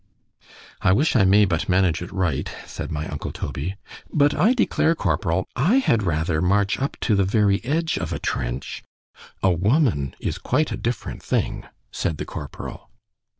I wish I may but manage it right; said my uncle Toby—but I declare, corporal, I had rather march up to the very edge of a trench—— —A woman is quite a different thing—said the corporal.